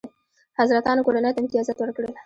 حضرتانو کورنۍ ته امتیازات ورکړل.